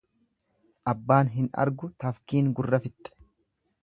Abbaan hin argu tafkiin gurra fixxe.